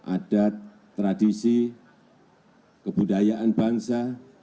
adat tradisi kebudayaan bansa